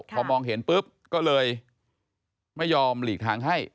พอมองเห็นปุ๊บก็เลยไม่ยอมหลีกทางให้